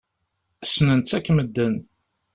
Ssnen-tt akk medden.